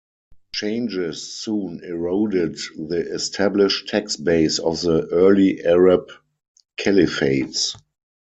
Changes soon eroded the established tax base of the early Arab Caliphates.